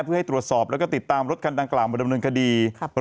เพื่อให้ตรวจสอบแล้วก็ติดตามรถการดังกล่าวบรรดบริเวณคดีครับ